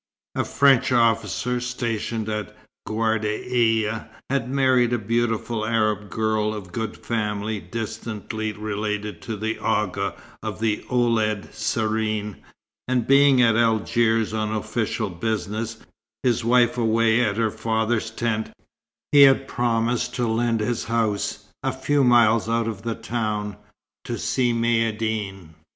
A French officer stationed at Ghardaia had married a beautiful Arab girl of good family distantly related to the Agha of the Ouled Serrin, and being at Algiers on official business, his wife away at her father's tent, he had promised to lend his house, a few miles out of the town, to Si Maïeddine.